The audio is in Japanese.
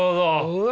うわ。